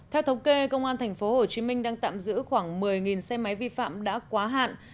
theo thống kê công an tp hcm đang tạm giữ khoảng một mươi xe máy vi phạm đã quá hạn